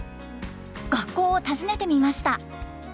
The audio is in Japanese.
学校を訪ねてみました。